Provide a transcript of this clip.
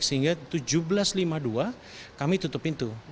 sehingga tujuh belas lima puluh dua kami tutup pintu